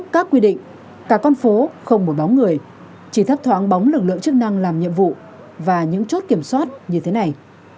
các quy định cả con phố không một bóng người chỉ thấp thoáng bóng lực lượng chức năng làm nhiệm vụ và những chốt kiểm soát như thế này